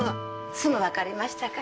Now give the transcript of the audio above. すぐわかりましたか？